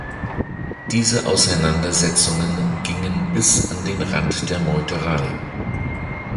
Diese Auseinandersetzungen gingen bis an den Rand der Meuterei.